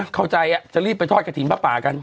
เขาใจอ่ะจะรีบไปทอดขทีมประปะกัน